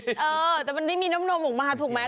เออแต่มันได้มีน้ำนมออกมาถูกไหม